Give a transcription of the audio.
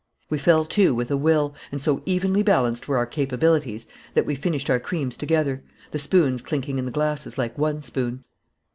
We fell to with a will, and so evenly balanced were our capabilities that we finished our creams together, the spoons clinking in the glasses like one spoon.